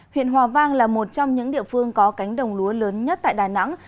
huyện hòa vang là một trong những địa phương có cánh đồng lúa lớn nhất tại đà nẵng